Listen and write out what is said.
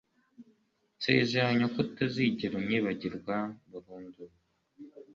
Nsezeranya ko utazigera unyibagirwa burundu